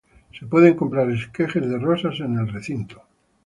Se pueden comprar esquejes de rosas en el recinto.